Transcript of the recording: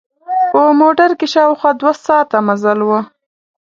په موټر کې شاوخوا دوه ساعته مزل و.